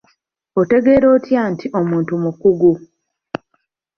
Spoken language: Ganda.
Otegeera otya nti omuntu mukugu?